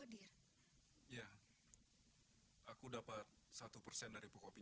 hai apa akan menerima upah dari mendapatkan orang yang mau pinjam uang sama jura ganjur